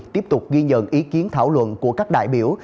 tiếp tục ghi nhận ý kiến thảo luận của các đại biểu